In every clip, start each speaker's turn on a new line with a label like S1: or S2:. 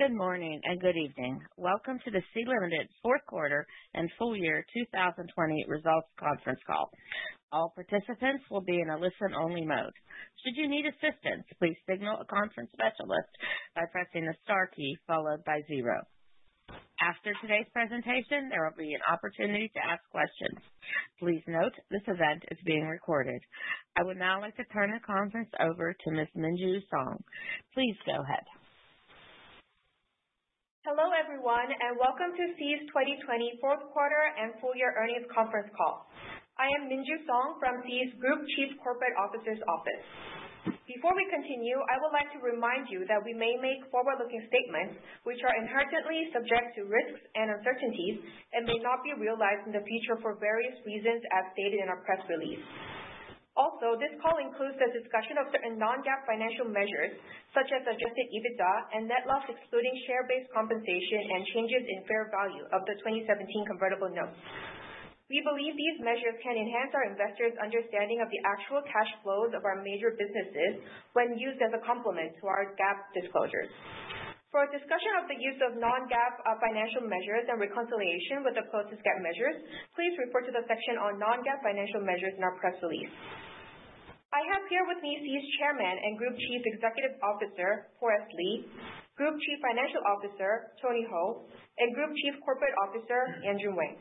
S1: Good morning and good evening. Welcome to the Sea Limited fourth quarter and full year 2020 results conference call. I would now like to turn the conference over to Ms. Minju Song. Please go ahead.
S2: Hello, everyone, and welcome to Sea's 2020 fourth quarter and full year earnings conference call. I am Minju Song from Sea's Group Chief Corporate Officer's Office. Before we continue, I would like to remind you that we may make forward-looking statements which are inherently subject to risks and uncertainties and may not be realized in the future for various reasons, as stated in our press release. Also, this call includes the discussion of certain non-GAAP financial measures, such as adjusted EBITDA and net loss, excluding share-based compensation and changes in fair value of the 2017 convertible notes. We believe these measures can enhance our investors' understanding of the actual cash flows of our major businesses when used as a complement to our GAAP disclosures. For a discussion of the use of non-GAAP financial measures and reconciliation with the closest GAAP measures, please refer to the section on non-GAAP financial measures in our press release. I have here with me Sea's Chairman and Group Chief Executive Officer, Forrest Li, Group Chief Financial Officer, Tony Hou, and Group Chief Corporate Officer, Yanjun Wang.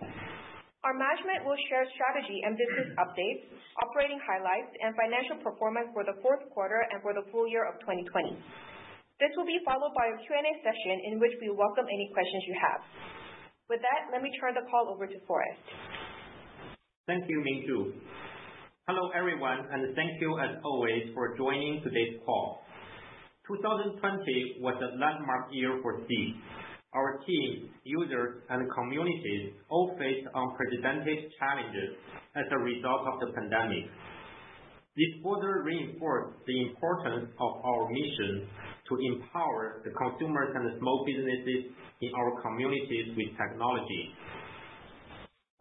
S2: Our management will share strategy and business updates, operating highlights, and financial performance for the fourth quarter and for the full year of 2020. This will be followed by a Q&A session in which we welcome any questions you have. With that, let me turn the call over to Forrest.
S3: Thank you, Minju. Hello, everyone, and thank you as always for joining today's call. 2020 was a landmark year for Sea. Our team, users, and communities all faced unprecedented challenges as a result of the pandemic. This further reinforced the importance of our mission to empower the consumers and the small businesses in our communities with technology.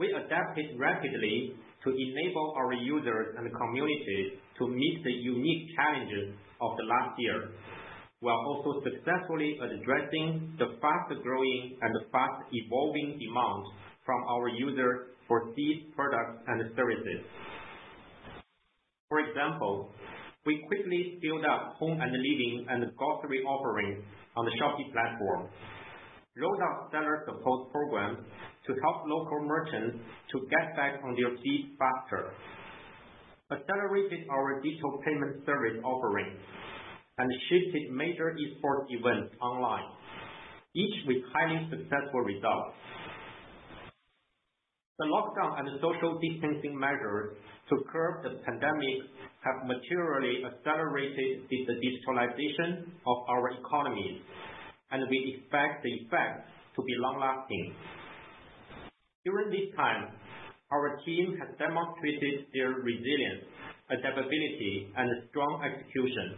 S3: We adapted rapidly to enable our users and the community to meet the unique challenges of the last year, while also successfully addressing the fast-growing and fast-evolving demands from our users for Sea's products and services. For example, we quickly scaled up home and living and grocery offerings on the Shopee platform, rolled out seller support programs to help local merchants to get back on their feet faster, accelerated our digital payment service offerings, and shifted major Esports events online, each with highly successful results. The lockdown and social distancing measures to curb the pandemic have materially accelerated the digitalization of our economy, and we expect the effects to be long-lasting. During this time, our team has demonstrated their resilience, adaptability, and strong execution.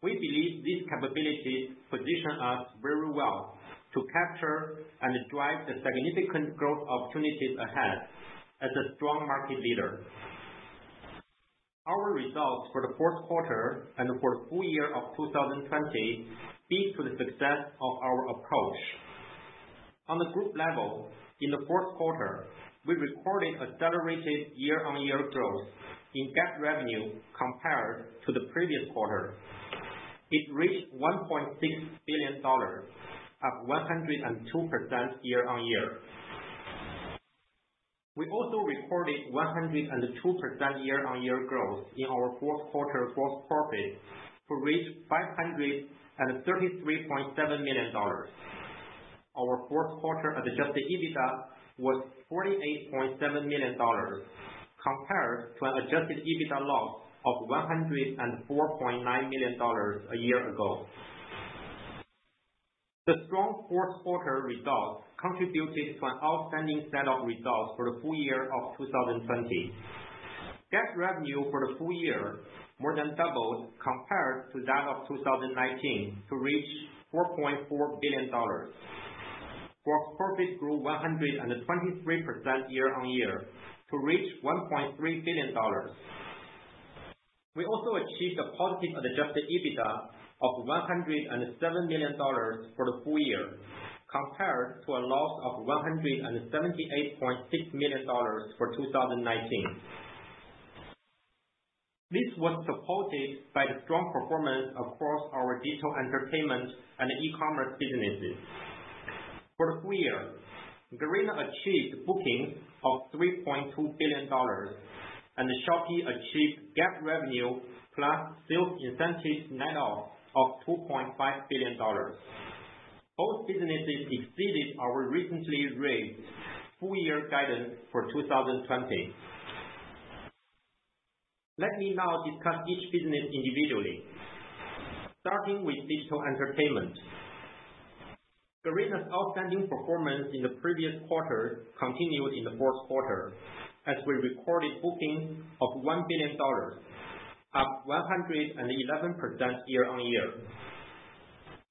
S3: We believe these capabilities position us very well to capture and drive the significant growth opportunities ahead as a strong market leader. Our results for the fourth quarter and for the full year of 2020 speak to the success of our approach. On the group level, in the fourth quarter, we recorded accelerated year-on-year growth in GAAP revenue compared to the previous quarter. It reached $1.6 billion, up 102% year-on-year. We also recorded 102% year-on-year growth in our fourth quarter gross profit to reach $533.7 million. Our fourth quarter adjusted EBITDA was $48.7 million, compared to an adjusted EBITDA loss of $104.9 million a year ago. The strong fourth quarter results contributed to an outstanding set of results for the full year of 2020. GAAP revenue for the full year more than doubled compared to that of 2019 to reach $4.4 billion. Gross profit grew 123% year-on-year to reach $1.3 billion. We also achieved a positive adjusted EBITDA of $107 million for the full year, compared to a loss of $178.6 million for 2019. This was supported by the strong performance across our Digital Entertainment and E-commerce businesses. For the full year, Garena achieved bookings of $3.2 billion and Shopee achieved GAAP revenue plus sales incentives net of $2.5 billion. Both businesses exceeded our recently raised full-year guidance for 2020. Let me now discuss each business individually. Starting with Digital Entertainment. Garena's outstanding performance in the previous quarter continued in the fourth quarter as we recorded bookings of $1 billion, up 111% year-on-year.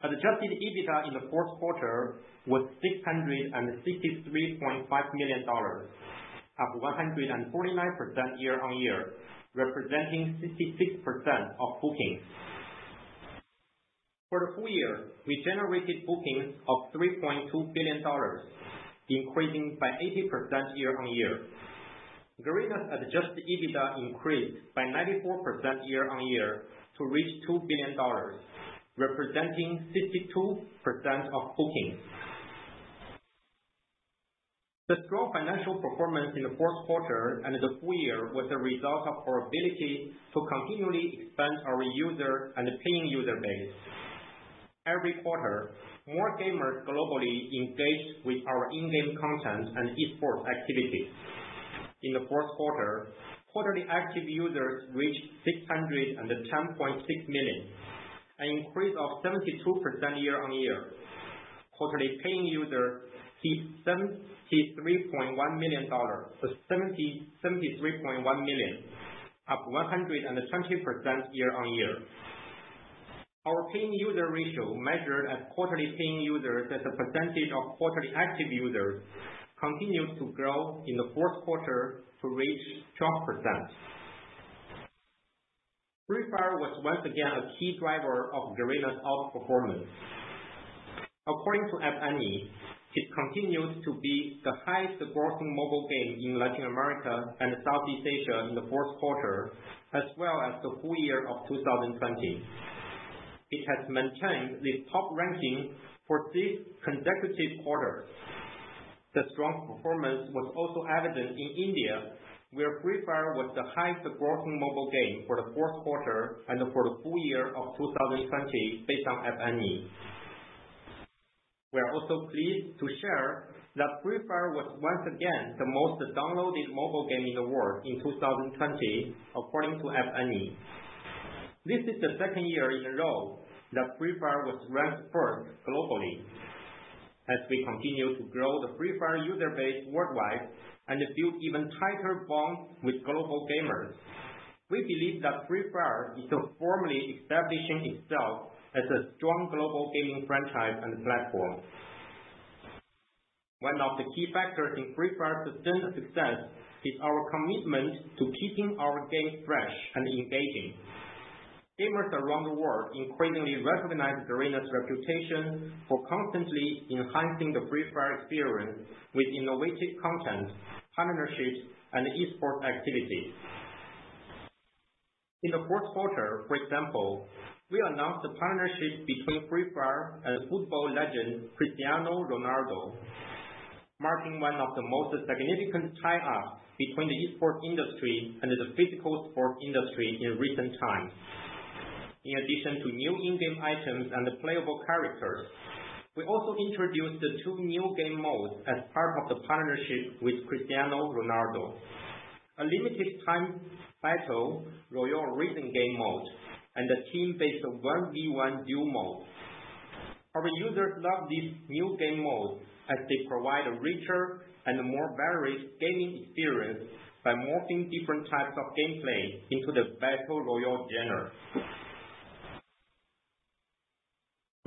S3: Adjusted EBITDA in the fourth quarter was $663.5 million, up 149% year-on-year, representing 66% of bookings. For the full year, we generated bookings of $3.2 billion, increasing by 80% year-on-year. Garena's adjusted EBITDA increased by 94% year-on-year to reach $2 billion, representing 52% of bookings. The strong financial performance in the fourth quarter and the full year was a result of our ability to continually expand our user and paying user base. Every quarter, more gamers globally engage with our in-game content and esports activities. In the fourth quarter, quarterly active users reached 610.6 million, an increase of 72% year-on-year. Quarterly paying users hit 73.1 million, up 120% year-on-year. Our paying user ratio, measured as quarterly paying users as a percentage of quarterly active users, continued to grow in the fourth quarter to reach 12%. Free Fire was once again a key driver of Garena's outperformance. According to App Annie, it continues to be the highest-grossing mobile game in Latin America and Southeast Asia in the fourth quarter, as well as the full year of 2020. It has maintained this top ranking for six consecutive quarters. The strong performance was also evident in India, where Free Fire was the highest grossing mobile game for the fourth quarter and for the full year of 2020 based on App Annie. We are also pleased to share that Free Fire was once again the most downloaded mobile game in the world in 2020, according to App Annie. This is the second year in a row that Free Fire was ranked first globally. As we continue to grow the Free Fire user base worldwide and build even tighter bonds with global gamers, we believe that Free Fire is formally establishing itself as a strong global gaming franchise and platform. One of the key factors in Free Fire's sustained success is our commitment to keeping our games fresh and engaging. Gamers around the world increasingly recognize Garena's reputation for constantly enhancing the Free Fire experience with innovative content, partnerships, and esports activities. In the fourth quarter, for example, we announced a partnership between Free Fire and football legend Cristiano Ronaldo, marking one of the most significant tie-ups between the esports industry and the physical sport industry in recent times. In addition to new in-game items and playable characters, we also introduced two new game modes as part of the partnership with Cristiano Ronaldo. A limited time battle royale arena game mode and a team-based one V one duel mode. Our users love these new game modes as they provide a richer and more varied gaming experience by morphing different types of gameplay into the battle royale genre.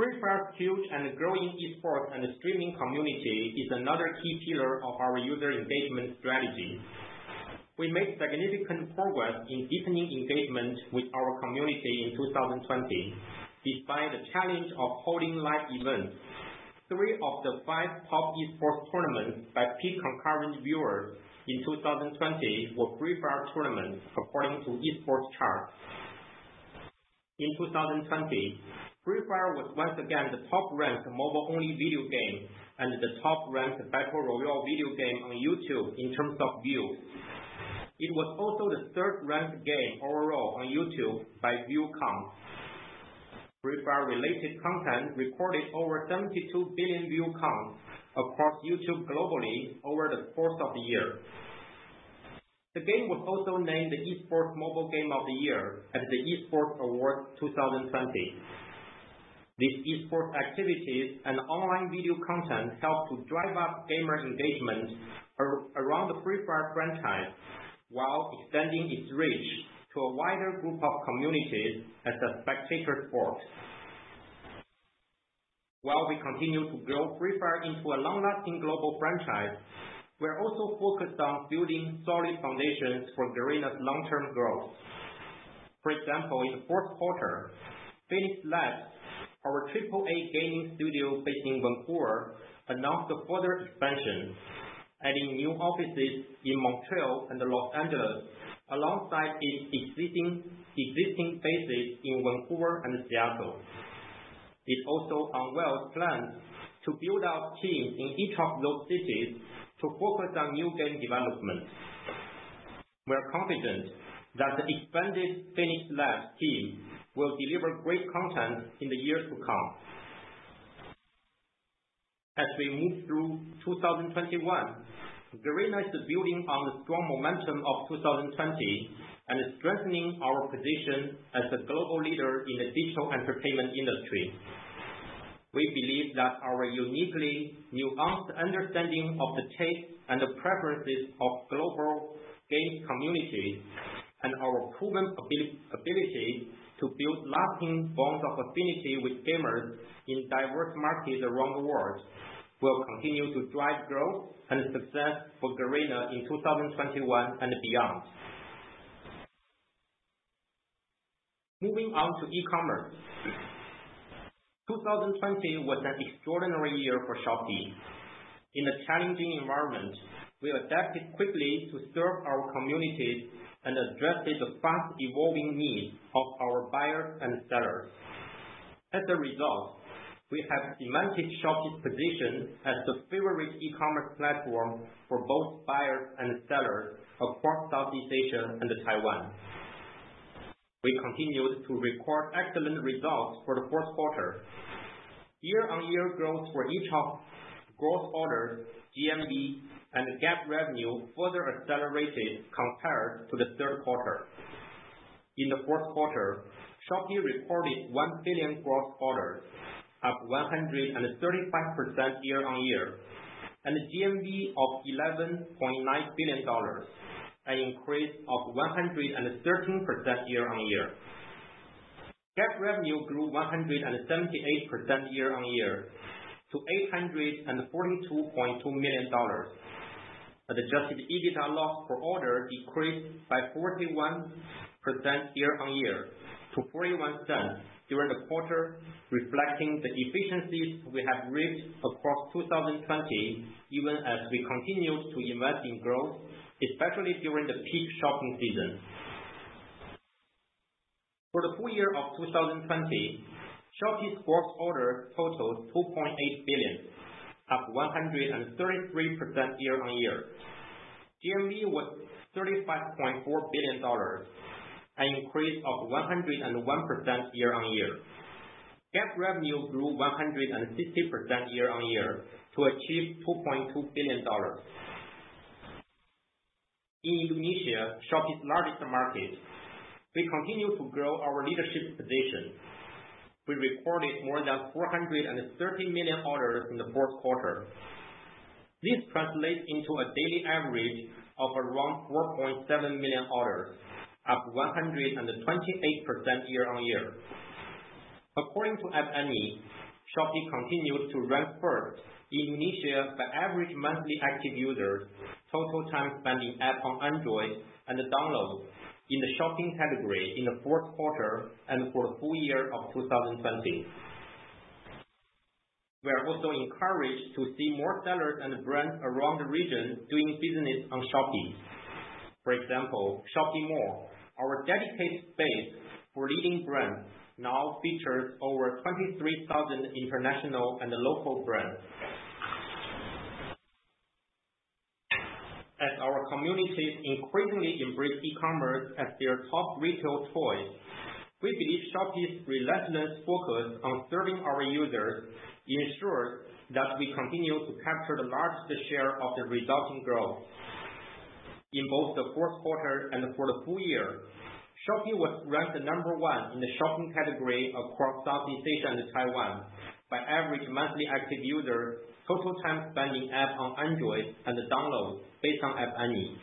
S3: Free Fire's huge and growing esports and streaming community is another key pillar of our user engagement strategy. We made significant progress in deepening engagement with our community in 2020, despite the challenge of holding live events. Three of the five top esports tournaments by peak concurrent viewers in 2020 were Free Fire tournaments, according to Esports Charts. In 2020, Free Fire was once again the top-ranked mobile-only video game and the top-ranked battle royale video game on YouTube in terms of views. It was also the third-ranked game overall on YouTube by view count. Free Fire-related content recorded over 72 billion view counts across YouTube globally over the course of the year. The game was also named the Esports Mobile Game of the Year at The Esports Awards 2020. These esports activities and online video content help to drive up gamer engagement around the Free Fire franchise while extending its reach to a wider group of communities as a spectator sport. While we continue to grow Free Fire into a long-lasting global franchise, we are also focused on building solid foundations for Garena's long-term growth. For example, in the fourth quarter, Phoenix Labs, our AAA gaming studio based in Vancouver, announced a further expansion, adding new offices in Montreal and Los Angeles, alongside its existing bases in Vancouver and Seattle. It also unveiled plans to build out teams in each of those cities to focus on new game development. We are confident that the expanded Phoenix Labs team will deliver great content in the years to come. As we move through 2021, Garena is building on the strong momentum of 2020 and strengthening our position as a global leader in the digital entertainment industry. We believe that our uniquely nuanced understanding of the taste and the preferences of global game communities, and our proven ability to build lasting bonds of affinity with gamers in diverse markets around the world, will continue to drive growth and success for Garena in 2021 and beyond. Moving on to e-commerce. 2020 was an extraordinary year for Shopee. In a challenging environment, we adapted quickly to serve our communities and addressed the fast evolving needs of our buyers and sellers. As a result, we have cemented Shopee's position as the favorite e-commerce platform for both buyers and sellers across Southeast Asia and Taiwan. We continued to record excellent results for the fourth quarter. Year-on-year growth for each of gross orders, GMV, and GAAP revenue further accelerated compared to the third quarter. In the fourth quarter, Shopee reported 1 billion gross orders, up 135% year-on-year, and a GMV of $11.9 billion, an increase of 113% year-on-year. GAAP revenue grew 178% year-on-year to $842.2 million. Adjusted EBITDA loss per order decreased by 41% year-on-year to $0.41 during the quarter, reflecting the efficiencies we have reaped across 2020, even as we continue to invest in growth, especially during the peak shopping season. For the full year of 2020, Shopee's gross orders totaled 2.8 billion, up 133% year-on-year. GMV was $35.4 billion, an increase of 101% year-on-year. GAAP revenue grew 160% year-on-year to achieve $2.2 billion. In Indonesia, Shopee's largest market, we continue to grow our leadership position. We recorded more than 430 million orders in the fourth quarter. This translates into a daily average of around 4.7 million orders, up 128% year-on-year. According to App Annie, Shopee continues to rank first in Indonesia by average monthly active users, total time spent in app on Android, and downloads in the shopping category in the fourth quarter and for the full year of 2020. We are also encouraged to see more sellers and brands around the region doing business on Shopee. For example, Shopee Mall, our dedicated space for leading brands, now features over 23,000 international and local brands. As our communities increasingly embrace e-commerce as their top retail choice, we believe Shopee's relentless focus on serving our users ensures that we continue to capture the largest share of the resulting growth. In both the fourth quarter and for the full year, Shopee was ranked number one in the shopping category across Southeast Asia and Taiwan by average monthly active users, total time spent in-app on Android, and downloads based on App Annie.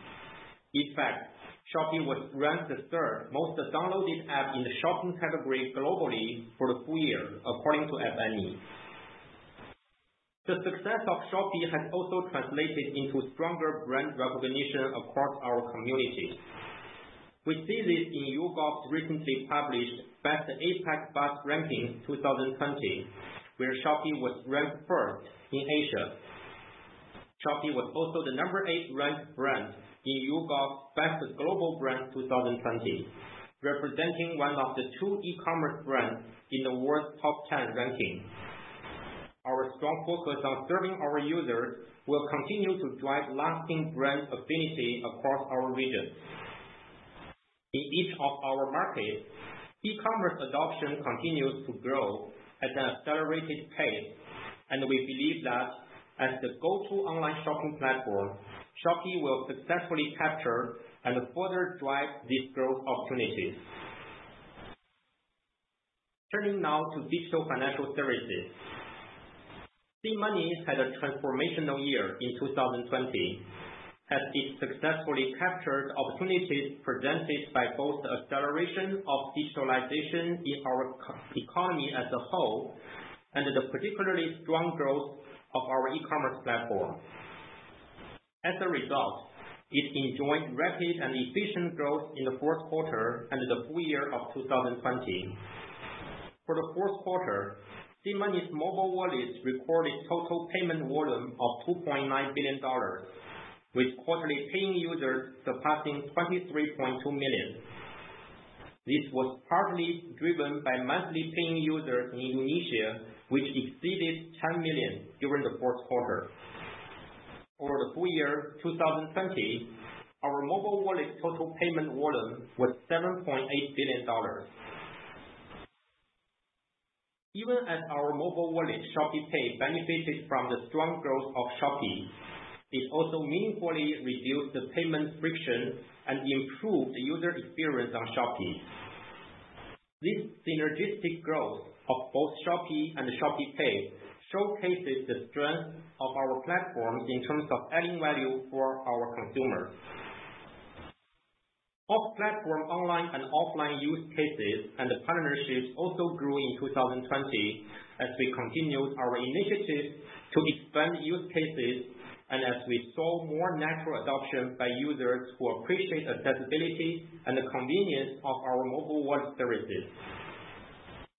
S3: In fact, Shopee was ranked the third most downloaded app in the shopping category globally for the full year, according to App Annie. The success of Shopee has also translated into stronger brand recognition across our communities. We see this in YouGov's recently published Best APAC Brands Rankings 2020, where Shopee was ranked first in Asia. Shopee was also the number eight ranked brand in YouGov's Best Global Brands 2020, representing one of the two e-commerce brands in the world's top 10 ranking. Our strong focus on serving our users will continue to drive lasting brand affinity across our regions. In each of our markets, e-commerce adoption continues to grow at an accelerated pace, and we believe that as the go-to online shopping platform, Shopee will successfully capture and further drive these growth opportunities. Turning now to digital financial services. SeaMoney had a transformational year in 2020, as it successfully captured opportunities presented by both the acceleration of digitalization in our economy as a whole, and the particularly strong growth of our e-commerce platform. As a result, it enjoyed rapid and efficient growth in the fourth quarter and the full year of 2020. For the fourth quarter, SeaMoney's mobile wallet recorded total payment volume of $2.9 billion, with quarterly paying users surpassing 23.2 million. This was partly driven by monthly paying users in Indonesia, which exceeded 10 million during the fourth quarter. For the full year 2020, our mobile wallet total payment volume was $7.8 billion. Even as our mobile wallet, ShopeePay, benefited from the strong growth of Shopee. It also meaningfully reduced the payment friction and improved the user experience on Shopee. This synergistic growth of both Shopee and ShopeePay showcases the strength of our platform in terms of adding value for our consumers. Off-platform, online and offline use cases and partnerships also grew in 2020 as we continued our initiative to expand use cases, and as we saw more natural adoption by users who appreciate accessibility and the convenience of our mobile wallet services.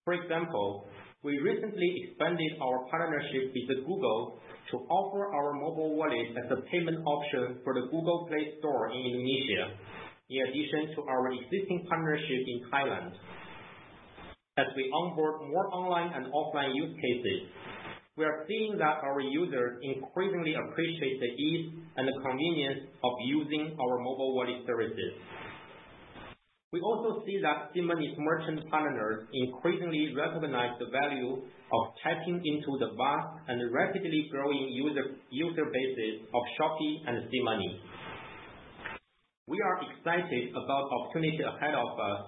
S3: For example, we recently expanded our partnership with Google to offer our mobile wallet as a payment option for the Google Play Store in Indonesia, in addition to our existing partnership in Thailand. As we onboard more online and offline use cases, we are seeing that our users increasingly appreciate the ease and the convenience of using our mobile wallet services. We also see that SeaMoney's merchant partners increasingly recognize the value of tapping into the vast and rapidly growing user bases of Shopee and SeaMoney. We are excited about the opportunity ahead of us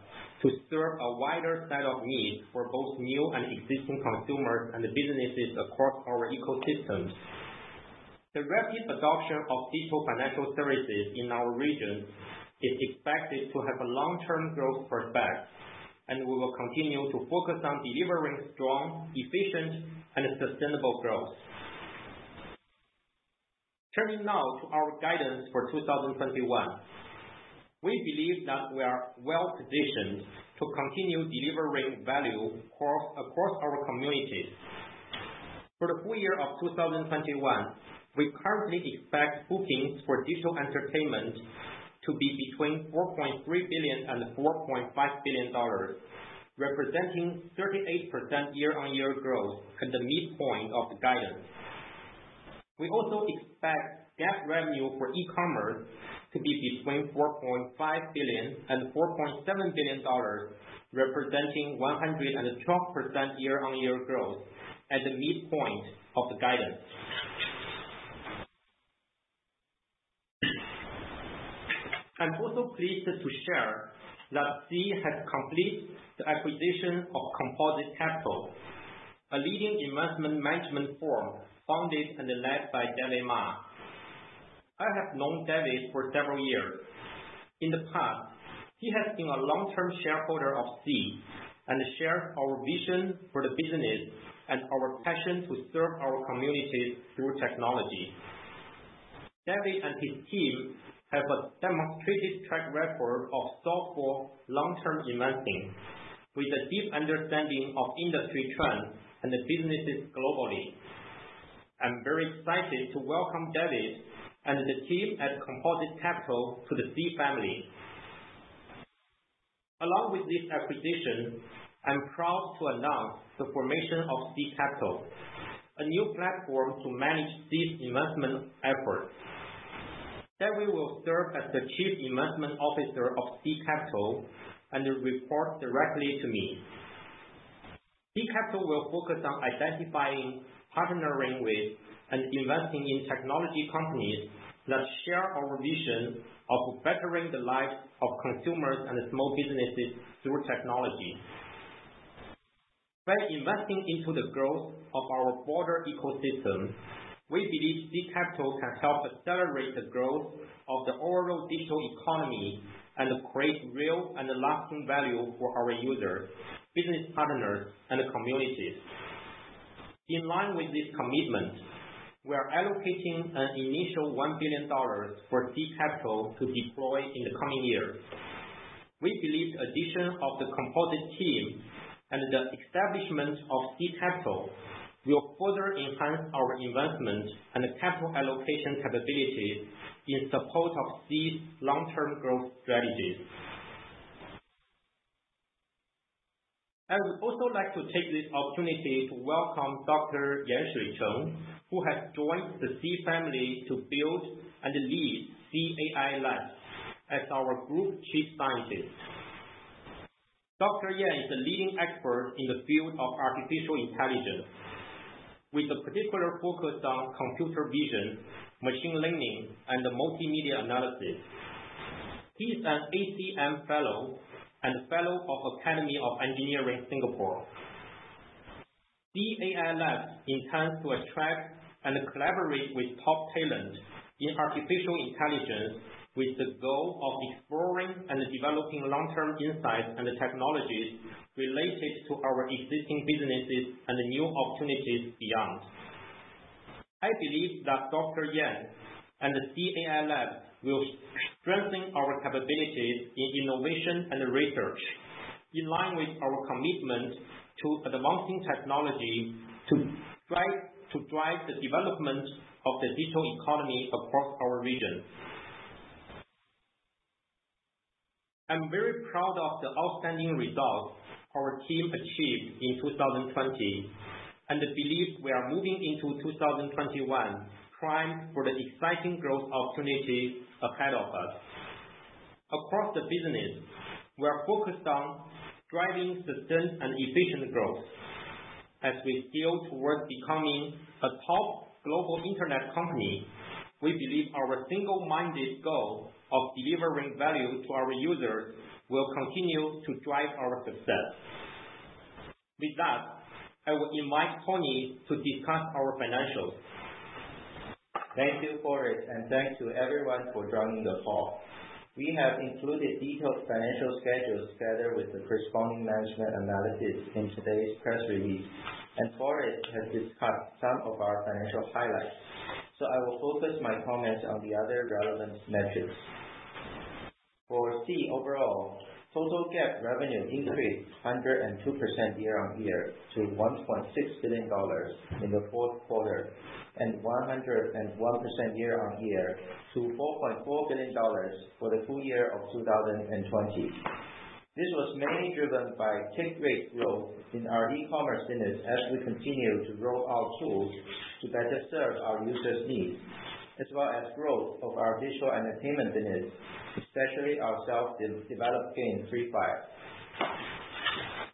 S3: to serve a wider set of needs for both new and existing consumers and businesses across our ecosystems. The rapid adoption of digital financial services in our region is expected to have a long-term growth prospect, and we will continue to focus on delivering strong, efficient, and sustainable growth. Turning now to our guidance for 2021. We believe that we are well-positioned to continue delivering value across our communities. For the full year of 2021, we currently expect bookings for digital entertainment to be between $4.3 billion and $4.5 billion, representing 38% year-on-year growth at the midpoint of the guidance. We also expect GAAP revenue for e-commerce to be between $4.5 billion and $4.7 billion, representing 112% year-on-year growth at the midpoint of the guidance. I am also pleased to share that Sea has completed the acquisition of Composite Capital, a leading investment management firm founded and led by David Ma. I have known David for several years. In the past, he has been a long-term shareholder of Sea and shares our vision for the business and our passion to serve our communities through technology. David and his team have a demonstrated track record of thoughtful long-term investing with a deep understanding of industry trends and businesses globally. I'm very excited to welcome David and the team at Composite Capital to the Sea family. Along with this acquisition, I'm proud to announce the formation of Sea Capital, a new platform to manage Sea's investment efforts. David will serve as the Chief Investment Officer of Sea Capital and report directly to me. Sea Capital will focus on identifying, partnering with, and investing in technology companies that share our vision of bettering the lives of consumers and small businesses through technology. By investing into the growth of our broader ecosystem, we believe Sea Capital can help accelerate the growth of the overall digital economy and create real and lasting value for our users, business partners, and communities. In line with this commitment, we are allocating an initial $1 billion for Sea Capital to deploy in the coming year. We believe the addition of the Composite team and the establishment of Sea Capital will further enhance our investment and capital allocation capabilities in support of Sea's long-term growth strategies. I would also like to take this opportunity to welcome Dr. Yan Shuicheng, who has joined the Sea family to build and lead Sea AI Lab as our Group Chief Scientist. Dr. Yann is a leading expert in the field of artificial intelligence, with a particular focus on computer vision, machine learning, and multimedia analysis. He is an ACM fellow and fellow of Academy of Engineering, Singapore. Sea AI Lab intends to attract and collaborate with top talent in artificial intelligence with the goal of exploring and developing long-term insights and technologies related to our existing businesses and new opportunities beyond. I believe that Dr. Yan and the Sea AI Lab will strengthen our capabilities in innovation and research in line with our commitment to advancing technology to drive the development of the digital economy across our region. I'm very proud of the outstanding results our team achieved in 2020 and believe we are moving into 2021 primed for the exciting growth opportunities ahead of us. Across the business, we are focused on driving sustained and efficient growth. As we sail towards becoming a top global internet company, we believe our single-minded goal of delivering value to our users will continue to drive our success. With that, I will invite Tony to discuss our financials.
S4: Thank you, Forrest, thanks to everyone for joining the call. We have included detailed financial schedules together with the corresponding management analysis in today's press release, and Forrest has discussed some of our financial highlights. I will focus my comments on the other relevant metrics. For Sea overall, total GAAP revenue increased 102% year-on-year to $1.6 billion in Q4 and 101% year-on-year to $4.4 billion for the full year of 2020. This was mainly driven by two-grade growth in our e-commerce business as we continue to roll out tools to better serve our users' needs, as well as growth of our digital entertainment business, especially our self-developed game, Free Fire.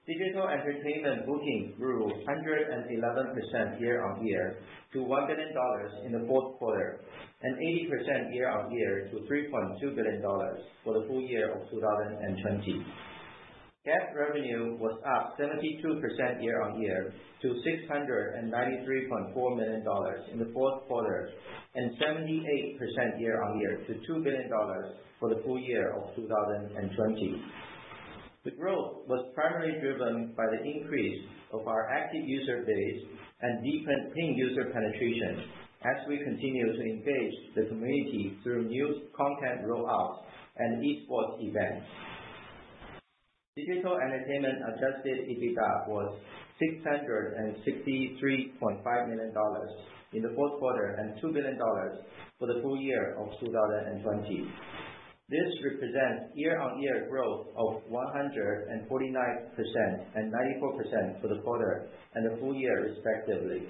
S4: Digital entertainment booking grew 111% year-on-year to $1 billion in Q4 and 80% year-on-year to $3.2 billion for the full year of 2020. GAAP revenue was up 72% year-on-year to $693.4 million in Q4 and 78% year-on-year to $2 billion for the full year of 2020. The growth was primarily driven by the increase of our active user base and deepening user penetration as we continue to engage the community through new content rollouts and esports events. Digital entertainment adjusted EBITDA was $663.5 million in Q4 and $2 billion for the full year of 2020. This represents year-on-year growth of 149% and 94% for the quarter and the full year respectively.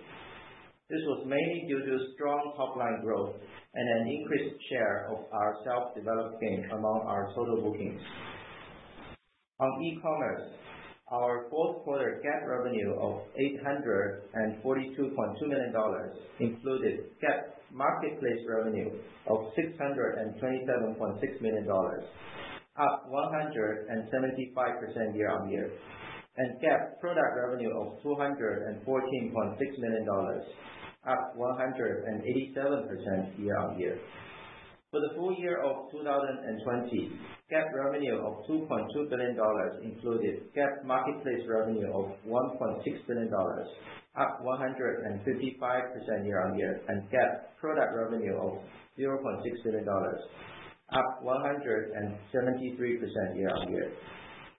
S4: This was mainly due to strong top-line growth and an increased share of our self-developed games among our total bookings. On e-commerce, our Q4 GAAP revenue of $842.2 million included GAAP marketplace revenue of $627.6 million, up 175% year-on-year, and GAAP product revenue of $214.6 million, up 187% year-on-year. For the full year of 2020, GAAP revenue of $2.2 billion included GAAP marketplace revenue of $1.6 billion, up 155% year-on-year, and GAAP product revenue of $0.6 billion, up 173% year-on-year.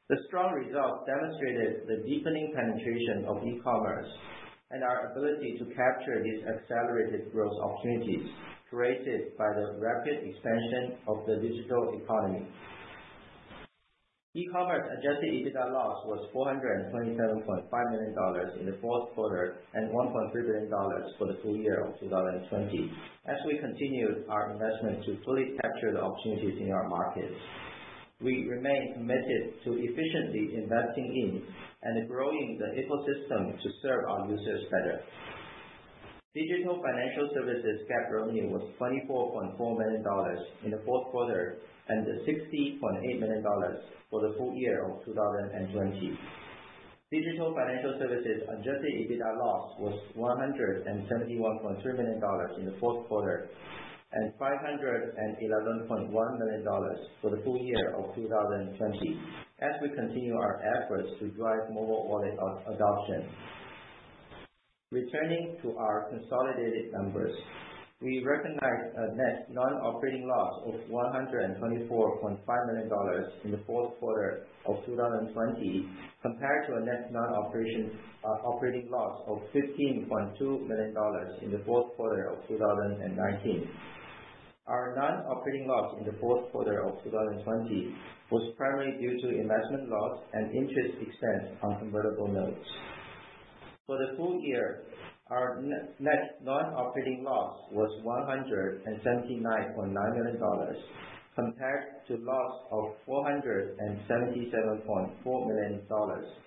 S4: The strong results demonstrated the deepening penetration of e-commerce and our ability to capture these accelerated growth opportunities created by the rapid expansion of the digital economy. E-commerce adjusted EBITDA loss was $427.5 million in Q4 and $1.3 billion for the full year of 2020, as we continued our investment to fully capture the opportunities in our markets. We remain committed to efficiently investing in and growing the ecosystem to serve our users better. Digital financial services GAAP revenue was $24.4 million in Q4 and $60.8 million for the full year of 2020. Digital financial services adjusted EBITDA loss was $171.3 million in Q4 and $511.1 million for the full year of 2020 as we continue our efforts to drive mobile wallet adoption. Returning to our consolidated numbers, we recognized a net non-operating loss of $124.5 million in the fourth quarter of 2020, compared to a net non-operating loss of $15.2 million in the fourth quarter of 2019. Our non-operating loss in the fourth quarter of 2020 was primarily due to investment loss and interest expense on convertible notes. For the full year, our net non-operating loss was $179.9 million compared to a loss of $477.4 million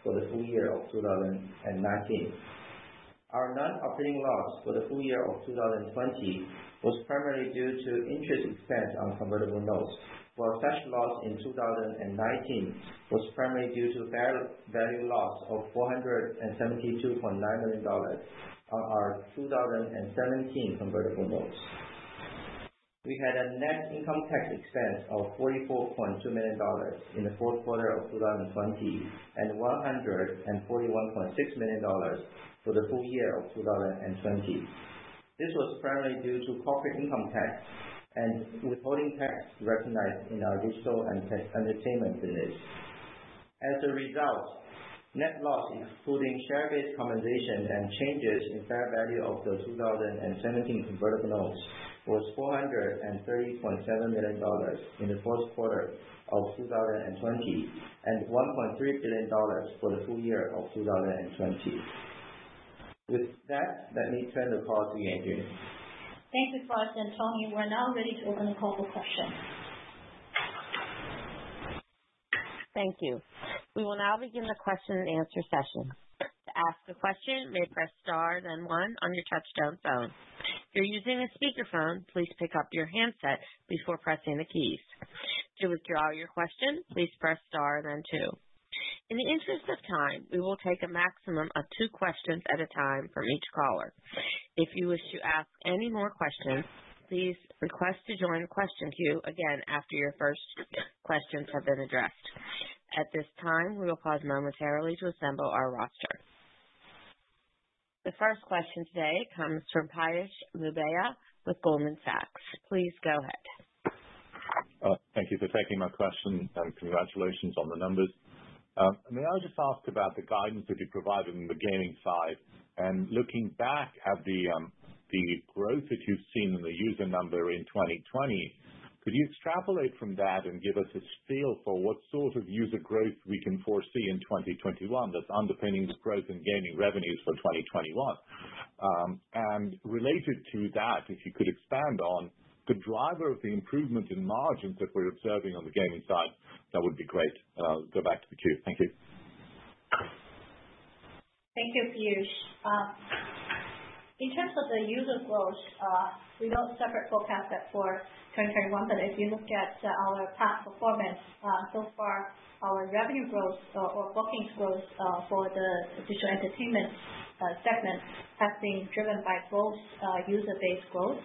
S4: for the full year of 2019. Our non-operating loss for the full year of 2020 was primarily due to interest expense on convertible notes, while such loss in 2019 was primarily due to a fair value loss of $472.9 million on our 2017 convertible notes. We had a net income tax expense of $44.2 million in the fourth quarter of 2020 and $141.6 million for the full year of 2020. This was primarily due to corporate income tax and withholding tax recognized in our digital entertainment business. As a result, net loss, excluding share-based compensation and changes in fair value of the 2017 convertible notes, was $430.7 million in the fourth quarter of 2020 and $1.3 billion for the full year of 2020. With that, let me turn it over to Yanjun.
S5: Thank you, Forrest and Tony. We're now ready to open the call for questions.
S1: Thank you. We will now begin the question and answer session. In the interest of time, we will take a maximum of two questions at a time from each caller. If you wish to ask any more questions, please request to join question queue again after your first questions have been addressed. At this time, we will pause momentarily to assemble our roster. The first question today comes from Piyush Choudhary with Goldman Sachs. Please go ahead.
S6: Thank you for taking my question, and congratulations on the numbers. May I just ask about the guidance that you provided on the gaming side? Looking back at the growth that you've seen in the user number in 2020, could you extrapolate from that and give us a feel for what sort of user growth we can foresee in 2021 that's underpinning the growth in gaming revenues for 2021? Related to that, if you could expand on the driver of the improvement in margins that we're observing on the gaming side, that would be great. I'll go back to the queue. Thank you.
S5: Thank you, Piyush. In terms of the user growth, we don't separate forecast that for 2021. If you look at our past performance so far, our revenue growth or bookings growth for the digital entertainment segment have been driven by both user base growth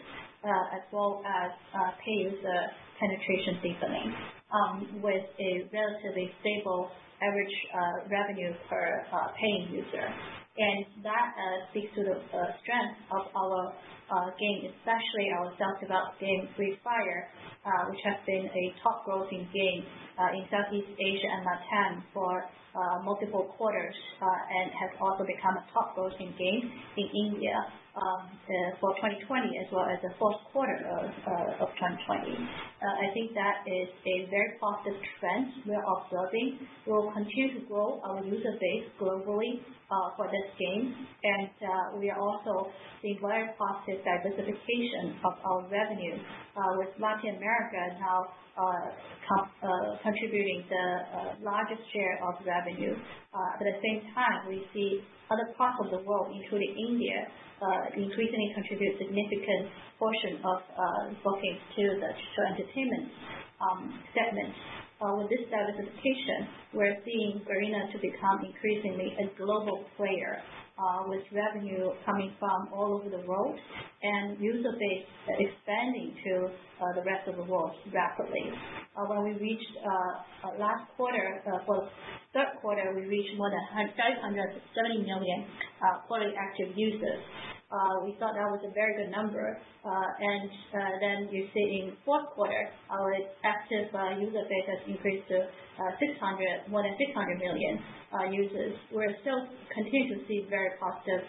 S5: as well as paid user penetration seasoning with a relatively stable average revenue per paying user. That speaks to the strength of our game, especially our self-developed game, Free Fire, which has been a top-grossing game in Southeast Asia and LATAM for multiple quarters and has also become a top-grossing game in India for 2020 as well as the fourth quarter of 2020. I think that is a very positive trend we are observing. We will continue to grow our user base globally for this game. We are also seeing very positive diversification of our revenue, with Latin America now contributing the largest share of revenue. At the same time, we see other parts of the world, including India, increasingly contribute significant portion of bookings to the digital entertainment segment. With this diversification, we are seeing Garena to become increasingly a global player, with revenue coming from all over the world and user base expanding to the rest of the world rapidly. Last quarter, for third quarter, we reached more than 530 million quarterly active users. We thought that was a very good number. Then you see in fourth quarter, our active user base has increased to more than 600 million users. We still continue to see very positive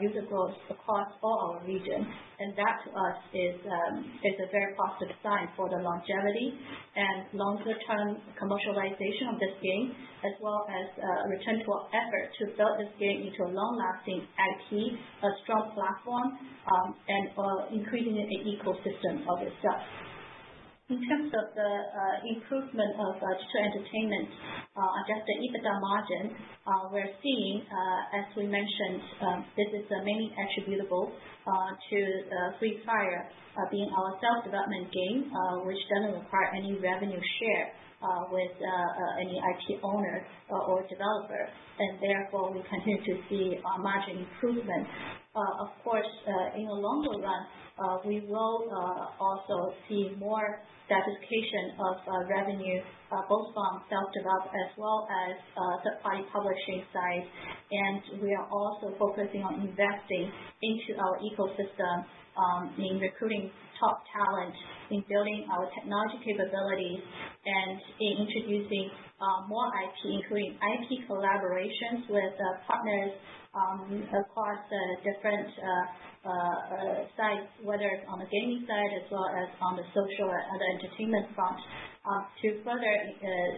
S5: user growth across all our regions, and that to us is a very positive sign for the longevity and longer-term commercialization of this game as well as a return for effort to build this game into a long-lasting IP, a strong platform, and increasing the ecosystem of itself. In terms of the improvement of digital entertainment, adjusted EBITDA margin, we're seeing, as we mentioned, this is mainly attributable to Free Fire being our self-development game, which doesn't require any revenue share with any IP owner or developer, and therefore, we continue to see margin improvement. Of course, in the longer run, we will also see more diversification of revenue both from self-developed as well as the IP publishing side. We are also focusing on investing into our ecosystem, meaning recruiting top talent in building our technology capabilities and introducing more IP, including IP collaborations with partners across the different sites, whether it's on the gaming side as well as on the social and entertainment front, to further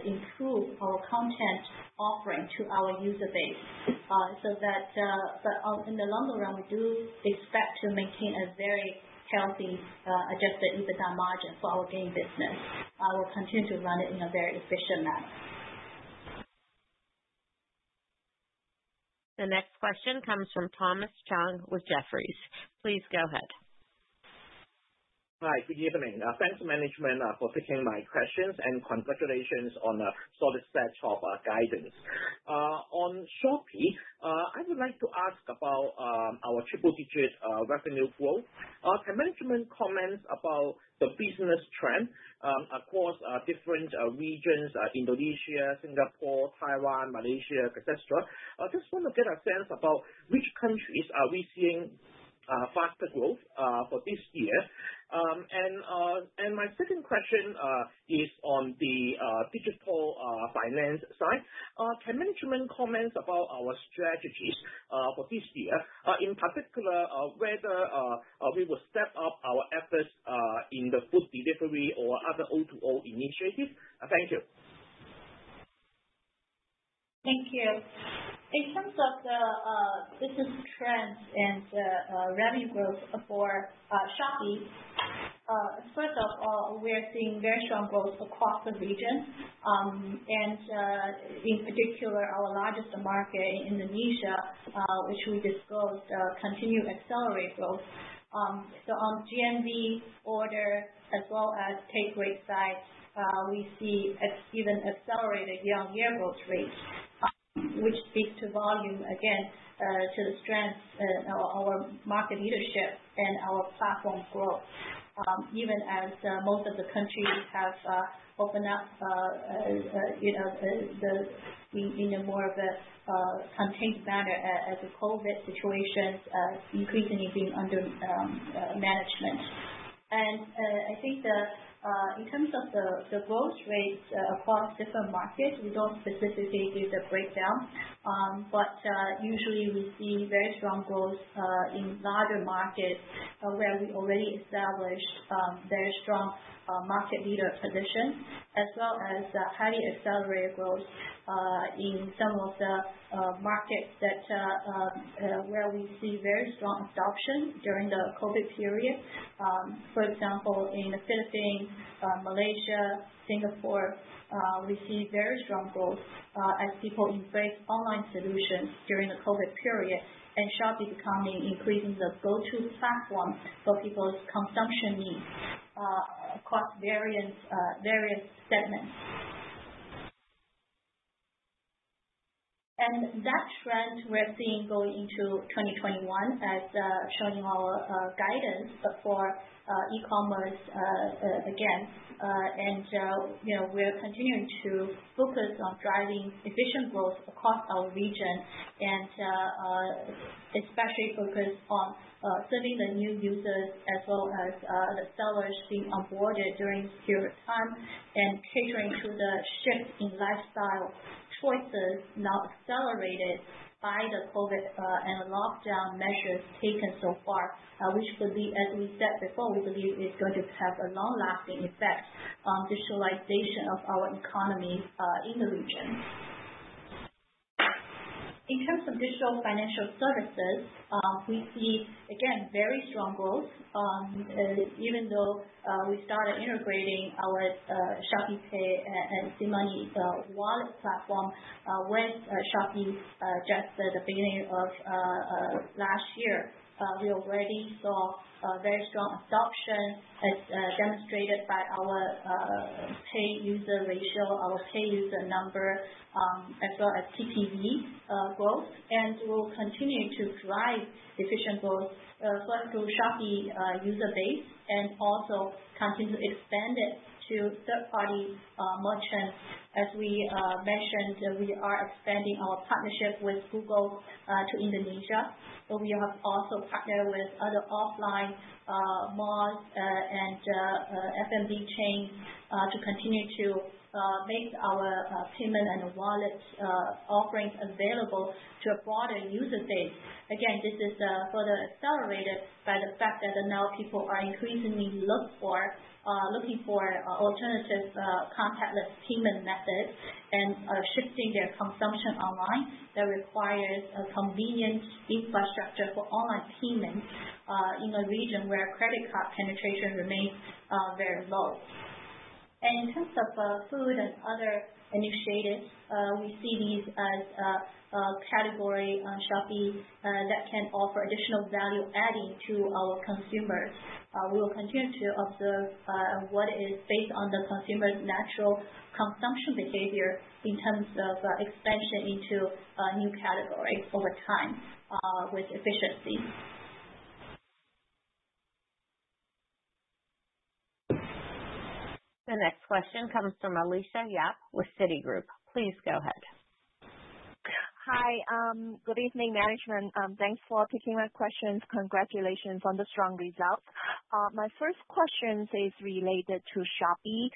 S5: improve our content offering to our user base. In the longer run, we do expect to maintain a very healthy adjusted EBITDA margin for our game business. We'll continue to run it in a very efficient manner.
S1: The next question comes from Thomas Chong with Jefferies. Please go ahead.
S7: Hi, good evening. Thanks, management, for taking my questions and congratulations on a solid set of guidance. On Shopee, I would like to ask about our triple-digit revenue growth. Can management comment about the business trend across different regions, Indonesia, Singapore, Taiwan, Malaysia, et cetera? I just want to get a sense about which countries are we seeing faster growth for this year? My second question is on the digital finance side. Can management comment about our strategies for this year, in particular, whether we will step up our efforts in the food delivery or other O2O initiatives? Thank you.
S5: Thank you. In terms of the business trends and the revenue growth for Shopee, first of all, we are seeing very strong growth across the region. In particular, our largest market, Indonesia, which we disclosed, continued to accelerate growth. On GMV order as well as take rate side, we see even accelerated year-on-year growth rates, which speaks to volume again, to the strength of our market leadership and our platform growth, even as most of the countries have opened up in a more of a contained manner as the COVID situation increasingly being under management. I think that in terms of the growth rates across different markets, we don't specifically give the breakdown. Usually we see very strong growth in larger markets where we already established very strong market leader position as well as highly accelerated growth in some of the markets where we see very strong adoption during the COVID period. For example, in the Philippines, Malaysia, Singapore, we see very strong growth as people embrace online solutions during the COVID period and Shopee becoming increasingly the go-to platform for people's consumption needs across various segments. That trend we're seeing going into 2021 as shown in our guidance for e-commerce again. We're continuing to focus on driving efficient growth across our region and especially focus on serving the new users as well as the sellers being onboarded during this period of time and catering to the shift in lifestyle choices now accelerated by the COVID and the lockdown measures taken so far, which could be, as we said before, we believe is going to have a long-lasting effect on digitalization of our economy in the region. In terms of digital financial services, we see, again, very strong growth even though we started integrating our ShopeePay and SeaMoney wallet platform with Shopee just at the beginning of last year. We already saw very strong adoption as demonstrated by our pay user ratio, our pay user number, as well as TPV growth. We will continue to drive efficient growth going through Shopee user base and also continue to expand it to third party merchants. As we mentioned, we are expanding our partnership with Google to Indonesia, but we have also partnered with other offline malls and F&B chains to continue to make our payment and wallet offerings available to a broader user base. This is further accelerated by the fact that now people are increasingly looking for alternative contactless payment methods and are shifting their consumption online that requires a convenient infrastructure for online payment in a region where credit card penetration remains very low. In terms of food and other initiatives, we see these as a category on Shopee that can offer additional value adding to our consumers. We will continue to observe what is based on the consumer's natural consumption behavior in terms of expansion into new categories over time with efficiency.
S1: The next question comes from Alicia Yap with Citigroup. Please go ahead.
S8: Hi. Good evening, management. Thanks for taking my questions. Congratulations on the strong results. My first question is related to Shopee.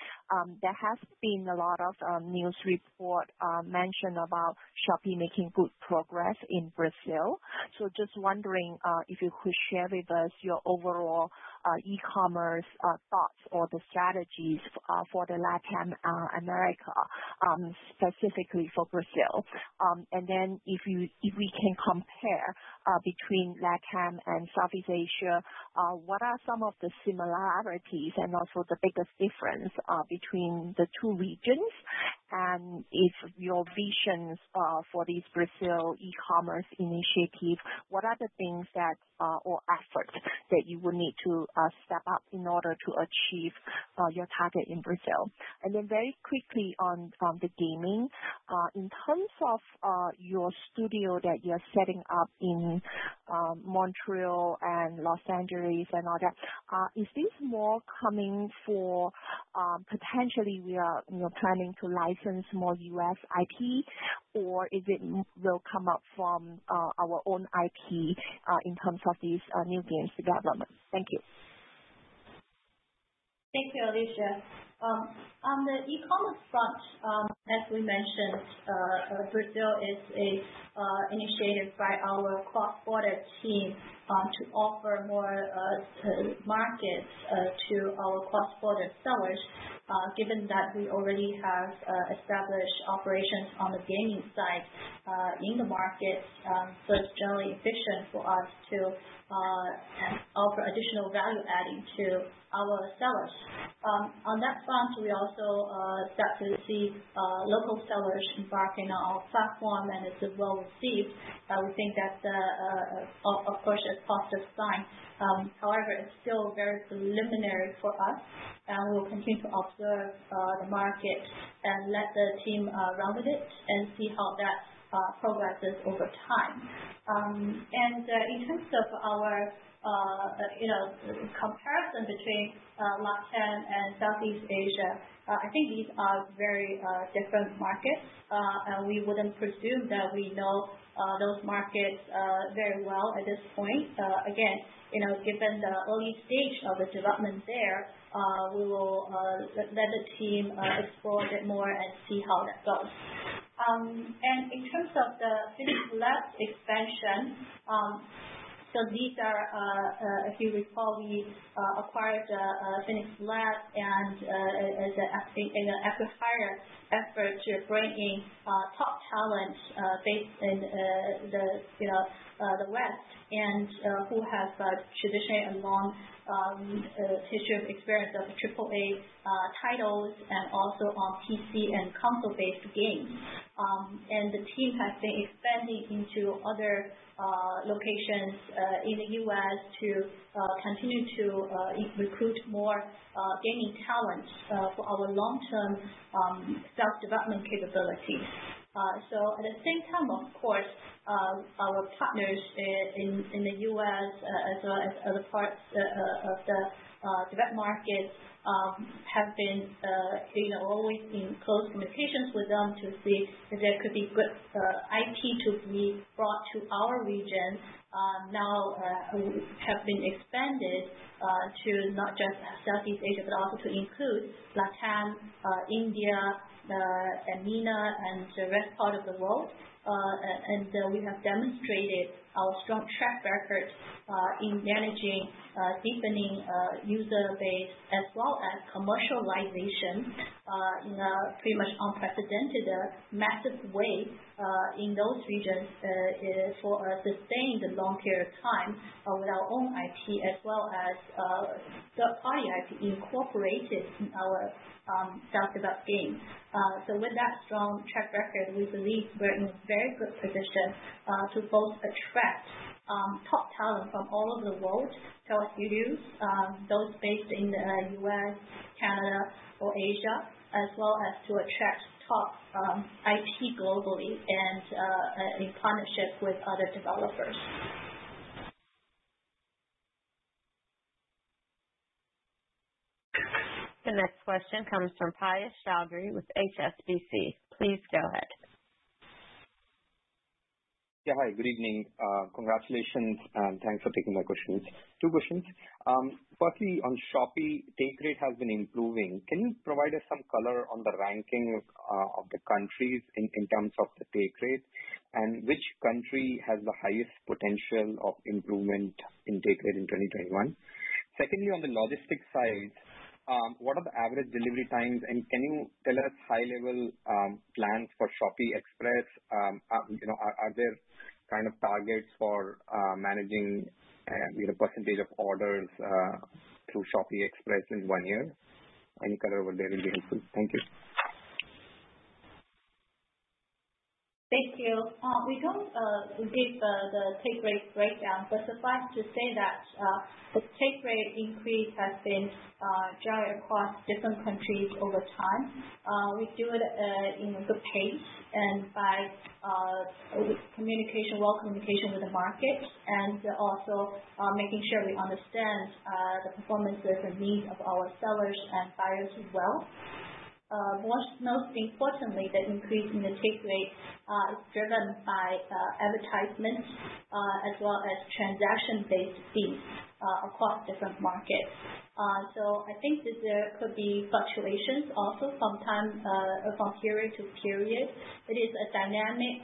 S8: There has been a lot of news report mention about Shopee making good progress in Brazil. Just wondering if you could share with us your overall e-commerce thoughts or the strategies for Latin America, specifically for Brazil. If we can compare between LATAM and Southeast Asia, what are some of the similarities and also the biggest difference between the two regions? If your visions for this Brazil e-commerce initiative, what are the things that or efforts that you will need to step up in order to achieve your target in Brazil? Very quickly on the gaming. In terms of your studio that you're setting up in Montreal and Los Angeles and all that, is this more coming for potentially we are planning to license more U.S. IP or is it will come up from our own IP in terms of these new games development? Thank you.
S5: Thank you, Alicia. On the e-commerce front, as we mentioned, Brazil is initiated by our cross-border team to offer more markets to our cross-border sellers, given that we already have established operations on the gaming side in the market. It's generally efficient for us to offer additional value-adding to our sellers. On that front, we also start to see local sellers embarking on our platform, and it's well received. We think that, of course, it's a positive sign. However, it's still very preliminary for us, and we'll continue to observe the market and let the team run with it and see how that progresses over time. In terms of our comparison between LatAm and Southeast Asia, I think these are very different markets. We wouldn't presume that we know those markets very well at this point. Given the early stage of the development there, we will let the team explore a bit more and see how that goes. In terms of the Phoenix Labs expansion, if you recall, we acquired Phoenix Labs, and as an acqui-hire effort to bring in top talent based in the West and who have a traditionally long history of experience of AAA titles and also on PC and console-based games. The team has been expanding into other locations in the U.S. to continue to recruit more gaming talent for our long-term self-development capabilities. At the same time, of course, our partners in the U.S. as well as other parts of the developed market, have always been close communications with them to see if there could be good IP to be brought to our region, now have been expanded to not just Southeast Asia, but also includes LatAm, India, MENA, and the rest part of the world. We have demonstrated our strong track record in managing a deepening user base as well as commercialization in a pretty much unprecedented, massive way in those regions for sustaining the long period of time with our own IP, as well as third-party IP incorporated in our self-developed games. With that strong track record, we believe we're in a very good position to both attract top talent from all over the world. If you do those based in the U.S., Canada, or Asia, as well as to attract top IP globally and in partnership with other developers.
S1: The next question comes from Piyush Choudhary with HSBC. Please go ahead.
S9: Yeah. Hi, good evening. Congratulations, and thanks for taking my questions. Two questions. Firstly, on Shopee, take rate has been improving. Can you provide us some color on the ranking of the countries in terms of the take rate, and which country has the highest potential of improvement in take rate in 2021? Secondly, on the logistics side, what are the average delivery times, and can you tell us high-level plans for Shopee Express? Are there targets for managing the percentage of orders through Shopee Express in one year? Any color over there will be helpful. Thank you.
S5: Thank you. We don't give the take rate breakdown. Suffice to say that the take rate increase has been driven across different countries over time. We do it in a good pace and by well communication with the market. Also making sure we understand the performances and needs of our sellers and buyers as well. Most importantly, the increase in the take rate is driven by advertisements as well as transaction-based fees across different markets. I think that there could be fluctuations also from period to period. It is a dynamic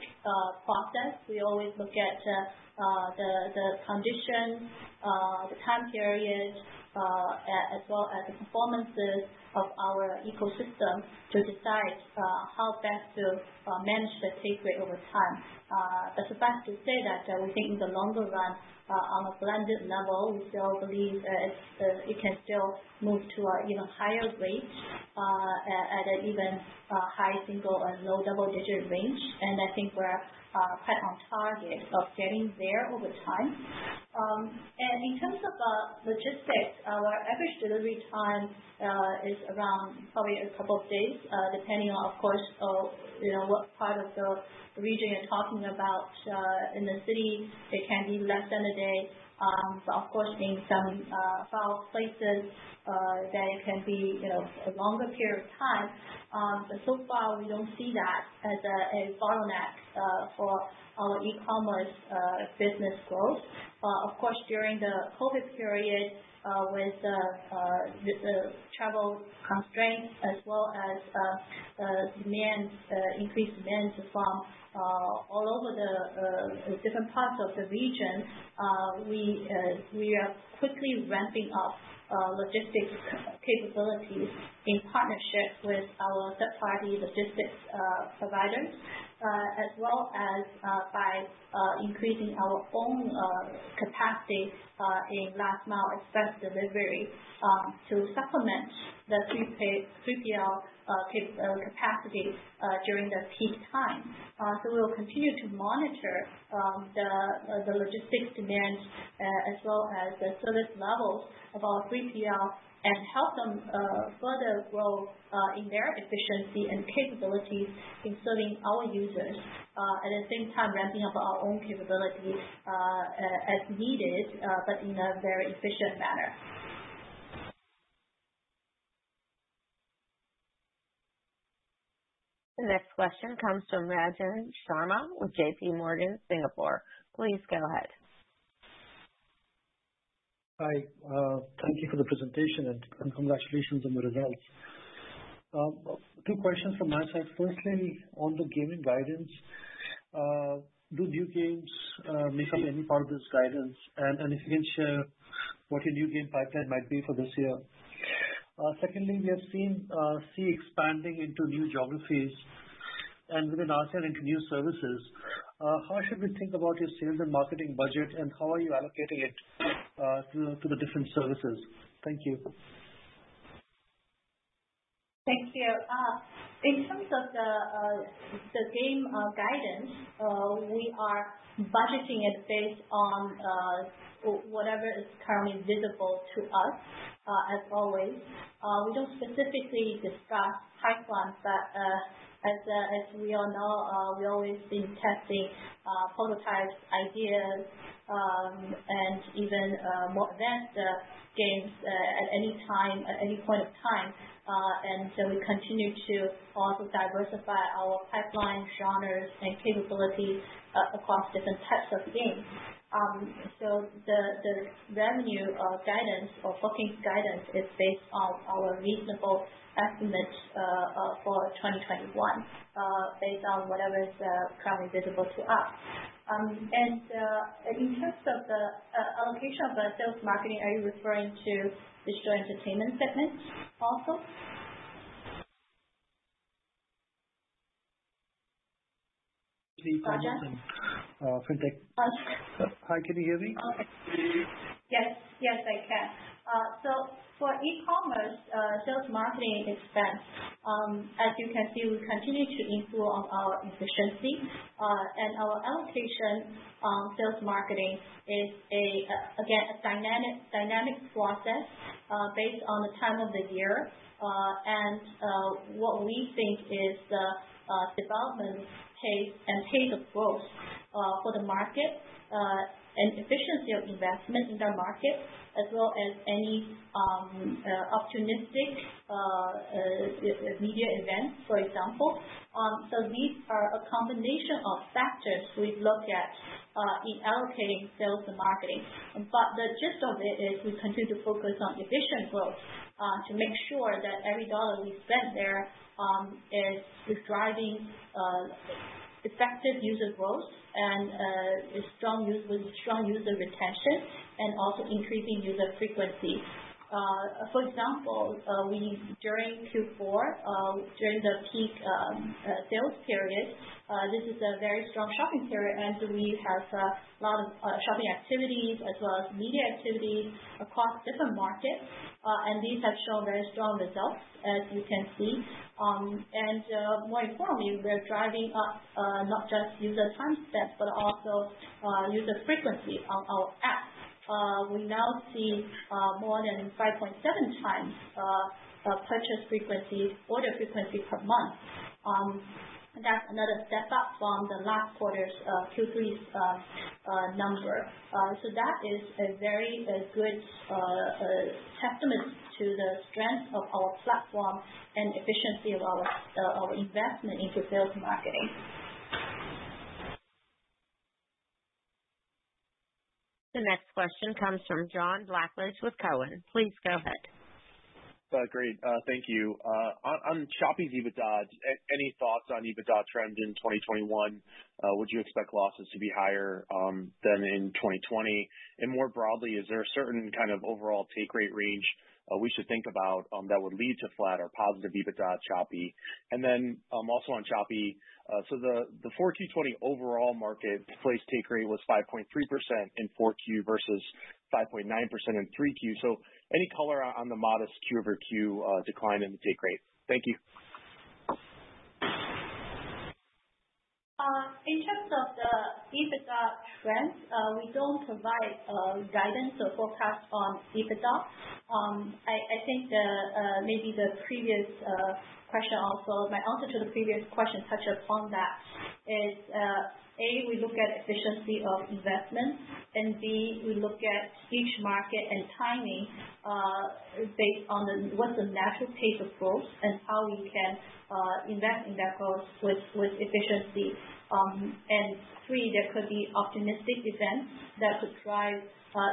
S5: process. We always look at the condition, the time period, as well as the performances of our ecosystem to decide how best to manage the take rate over time. Suffice to say that we think in the longer run, on a blended level, we still believe that it can still move to an even higher rate at an even high single-digit or low double-digit range. I think we're quite on target of getting there over time. In terms of logistics, our average delivery time is around probably a couple of days, depending on, of course, what part of the region you're talking about. In the city, it can be less than a day. Of course, in some far-off places, that it can be a longer period of time. So far, we don't see that as a bottleneck for our e-commerce business growth. Of course, during the COVID period, with the travel constraints as well as increased demand from all over the different parts of the region, we are quickly ramping up logistics capabilities in partnership with our third-party logistics providers, as well as by increasing our own capacity in last-mile express delivery, to supplement the 3PL capacity during the peak time. We will continue to monitor the logistics demand as well as the service levels of our 3PL, and help them further grow in their efficiency and capabilities in serving our users, at the same time ramping up our own capabilities as needed, but in a very efficient manner.
S1: The next question comes from Ranjan Sharma with JPMorgan, Singapore. Please go ahead.
S10: Hi. Thank you for the presentation and congratulations on the results. Two questions from my side. Firstly, on the gaming guidance, do new games make up any part of this guidance? If you can share what your new game pipeline might be for this year. Secondly, we have seen Sea expanding into new geographies and with Naspers into new services. How should we think about your sales and marketing budget, and how are you allocating it to the different services? Thank you.
S5: Thank you. In terms of the game guidance, we are budgeting it based on whatever is currently visible to us, as always. We don't specifically discuss pipelines, but as we all know, we always been testing prototypes, ideas, and even more advanced games at any point of time. We continue to also diversify our pipeline genres and capabilities across different types of games. The revenue guidance or booking guidance is based on our reasonable estimates for 2021, based on whatever is currently visible to us. In terms of the allocation of the sales marketing, are you referring to digital entertainment segment also? Ranjan?
S10: Hi, can you hear me?
S5: Yes, I can. For e-commerce, sales marketing expense, as you can see, we continue to improve on our efficiency. Our allocation on sales marketing is, again, a dynamic process based on the time of the year. What we think is the development pace and pace of growth for the market, and efficiency of investment in the market, as well as any opportunistic media events, for example. These are a combination of factors we look at in allocating sales and marketing. The gist of it is we continue to focus on efficient growth to make sure that every $1 we spend there is driving effective user growth and strong user retention, and also increasing user frequency. For example, during Q4, during the peak sales period, this is a very strong shopping period, and so we have a lot of shopping activities as well as media activities across different markets. These have shown very strong results, as you can see. More importantly, we are driving up not just user time spent, but also user frequency on our app. We now see more than 5.7x purchase frequency, order frequency per month. That's another step up from the last quarter's Q3 number. That is a very good testament to the strength of our platform and efficiency of our investment into sales and marketing.
S1: The next question comes from John Blackledge with Cowen. Please go ahead.
S11: Great, thank you. On Shopee's EBITDA, any thoughts on EBITDA trend in 2021? Would you expect losses to be higher than in 2020? More broadly, is there a certain kind of overall take rate range we should think about that would lead to flat or positive EBITDA at Shopee? Also on Shopee, the 4Q20 overall marketplace take rate was 5.3% in 4Q versus 5.9% in 3Q. Any color on the modest quarter-over-quarter decline in the take rate? Thank you.
S5: In terms of the EBITDA trends, we don't provide guidance or forecast on EBITDA. I think my answer to the previous question touches on that. A, we look at efficiency of investment, and B, we look at each market and timing based on what the natural pace of growth is and how we can invest in that growth with efficiency. Three, there could be optimistic events that could drive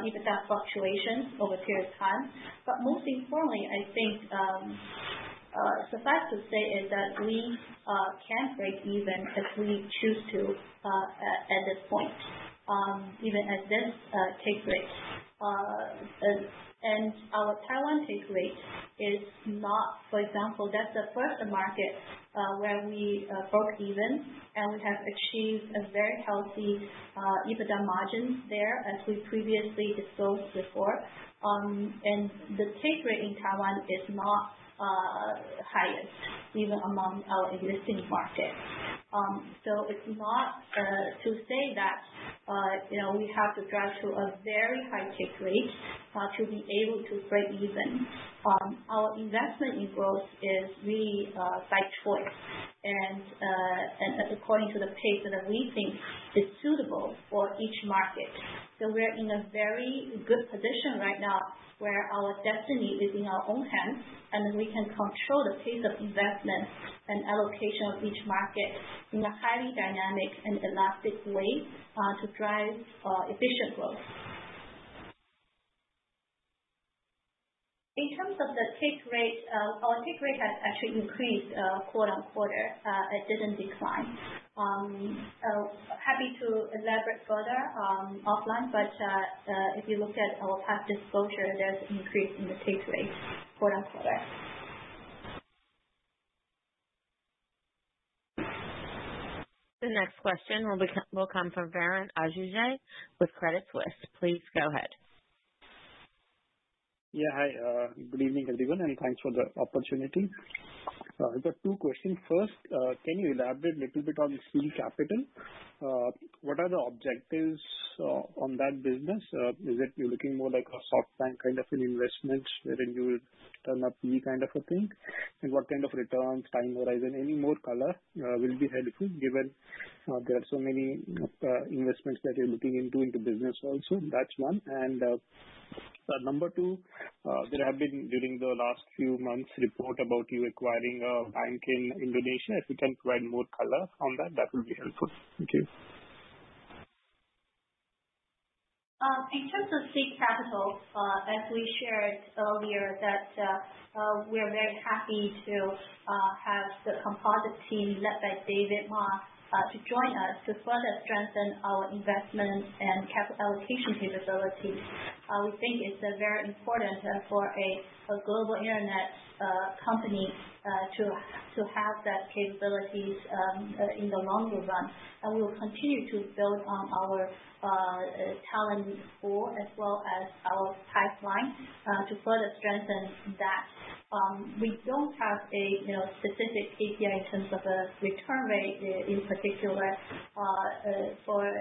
S5: EBITDA fluctuations over a period of time. Most importantly, I think the fact is that we can break even if we choose to at this point, even at this take rate. Our Taiwan take rate, for example, that's the first market where we broke even, and we have achieved a very healthy EBITDA margin there as we previously disclosed before. The take rate in Taiwan is not highest even among our existing markets. It's not to say that we have to drive to a very high take rate to be able to break even. Our investment in growth is really by choice and according to the pace that we think is suitable for each market. We are in a very good position right now where our destiny is in our own hands, and we can control the pace of investment and allocation of each market in a highly dynamic and elastic way to drive efficient growth. In terms of the take rate, our take rate has actually increased quarter-on-quarter. It didn't decline. Happy to elaborate further offline. If you look at our past disclosure, there's an increase in the take rate quarter-on-quarter.
S1: The next question will come from Varun Ahuja with Credit Suisse. Please go ahead.
S12: Yeah. Hi. Good evening, everyone, and thanks for the opportunity. I've got two questions. First, can you elaborate a little bit on Sea Capital? What are the objectives on that business? Is it you're looking more like a soft bank kind of an investment where in you would turn up any kind of a thing? What kind of returns time horizon? Any more color will be helpful given there are so many investments that you're looking into in the business also. That's one. Number two, there have been, during the last few months, reports about you acquiring a bank in Indonesia. If you can provide more color on that would be helpful. Thank you.
S5: In terms of Sea Capital, as we shared earlier, we are very happy to have the Composite team led by David Ma to join us to further strengthen our investment and capital allocation capabilities. We think it's very important for a global internet company to have those capabilities in the longer run. We will continue to build on our talent pool as well as our pipeline to further strengthen that. We don't have a specific KPI in terms of a return rate in particular as a fund.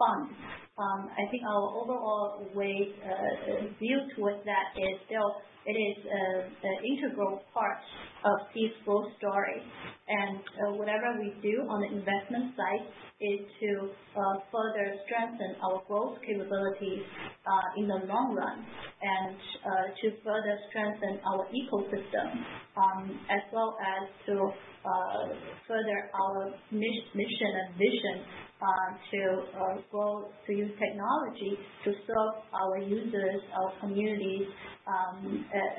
S5: I think our overall view towards that is still it is an integral part of this growth story. Whatever we do on the investment side is to further strengthen our growth capabilities in the long run and to further strengthen our ecosystem, as well as to further our mission and vision to use technology to serve our users, our communities,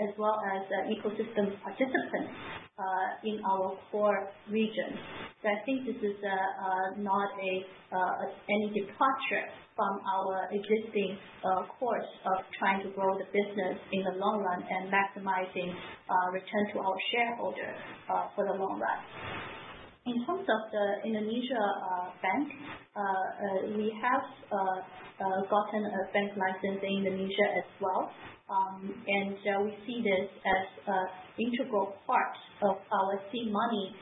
S5: as well as ecosystem participants in our core regions. I think this is not any departure from our existing course of trying to grow the business in the long run and maximizing returns to our shareholders for the long run. In terms of the Indonesia bank, we have gotten a bank license in Indonesia as well. We see this as an integral part of our SeaMoney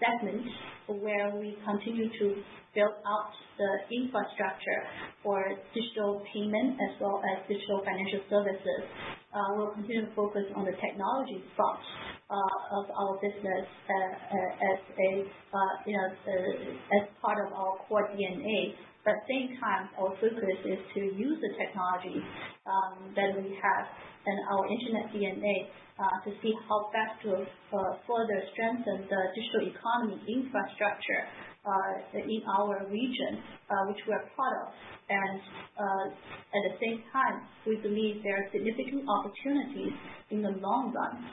S5: segment where we continue to build out the infrastructure for digital payment as well as digital financial services. We'll continue to focus on the technology front of our business as part of our core DNA. At the same time, our purpose is to use the technology that we have and our internet DNA to see how best to further strengthen the digital economy infrastructure in our region, which we are part of. At the same time, we believe there are significant opportunities in the long run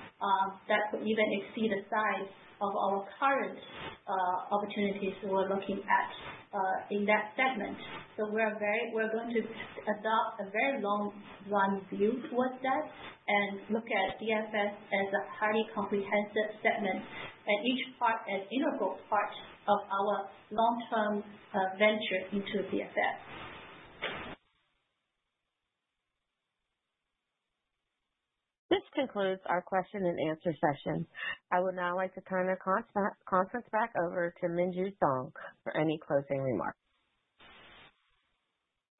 S5: that could even exceed the size of our current opportunities we're looking at in that segment. We're going to adopt a very long run view towards that and look at DFS as a highly comprehensive segment and each part as integral parts of our long-term venture into DFS.
S1: This concludes our question and answer session. I would now like to turn the conference back over to Minju Song for any closing remarks.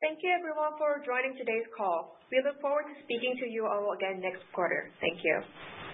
S2: Thank you everyone for joining today's call. We look forward to speaking to you all again next quarter. Thank you.